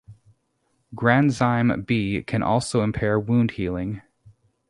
Granzyme B can also impair wound healing.